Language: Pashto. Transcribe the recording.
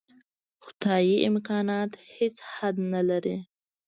خدايي امکانات هېڅ حد نه لري.